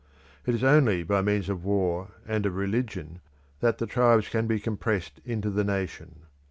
It is only by means of war and of religion that the tribes can be compressed into the nation.